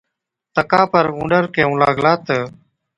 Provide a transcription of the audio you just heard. تڪا پر اُونڏر ڪيهُون لاگلا تہ،